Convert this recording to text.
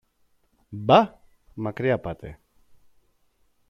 Μπα; Μακριά πάτε.